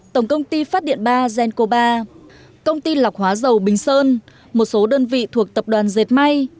tổng công ty phát điện ba genco ba công ty lọc hóa dầu bình sơn một số đơn vị thuộc tập đoàn dệt may